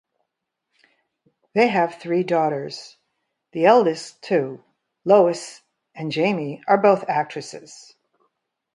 They have three daughters; the eldest two, Lois and Jaime, are both actresses.